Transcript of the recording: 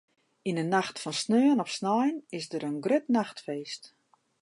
Yn 'e nacht fan sneon op snein is der in grut nachtfeest.